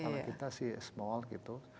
kalau kita sih small gitu